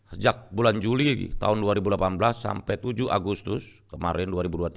sejak bulan juli tahun dua ribu delapan belas sampai tujuh agustus kemarin dua ribu dua puluh tiga